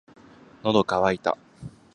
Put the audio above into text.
喉乾いた